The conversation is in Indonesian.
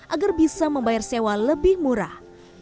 agar bisa membayar sewa lebih murah